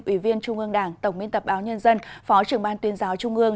ủy viên trung ương đảng tổng biên tập báo nhân dân phó trưởng ban tuyên giáo trung ương